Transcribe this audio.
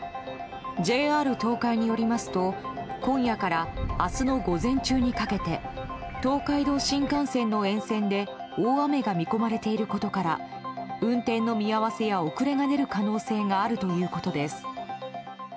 ＪＲ東海によりますと今夜から明日の午前中にかけて東海道新幹線の沿線で大雨が見込まれていることから運転の見合わせや遅れが出る可能性があるということです。